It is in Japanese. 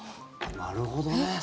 なるほどね。